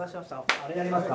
あれやりますか？